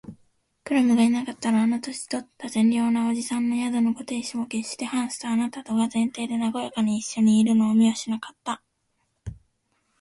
クラムがいなかったら、あの年とった善良な伯父さんの宿のご亭主も、けっしてハンスとあなたとが前庭でなごやかにいっしょにいるのを見はしなかった